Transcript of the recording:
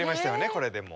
これでもう。